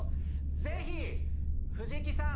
ぜひ！藤木さん。